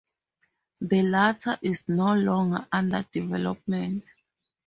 The latter is no longer under development.